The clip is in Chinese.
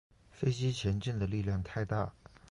飞机前进的力量太大